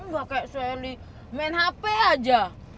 gak kayak selly main hp aja